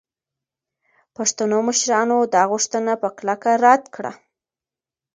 پښتنو مشرانو دا غوښتنه په کلکه رد کړه.